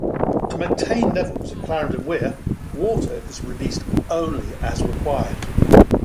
To maintain levels at Clarendon Weir, water is released only as required.